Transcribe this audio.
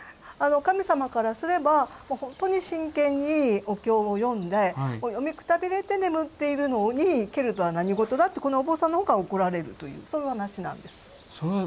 神様からすれば本当に真剣にお経を読んで読みくたびれて眠っているのに蹴るとは何事だってこのお坊さんの方が怒られるというそういう話なんです。